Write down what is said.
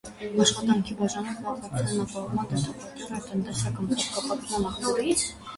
Աշխատանքի բաժանումը զբաղվածության ապահովման դրդապատճառ է և տնտեսական փոխկապակցման աղբյուր։